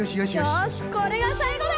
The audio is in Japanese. よしこれがさいごだ！